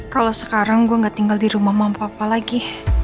kalau sekarang gue gak tinggal di rumah mampu apa apa lagi